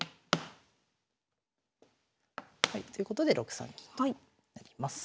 ということで６三銀となります。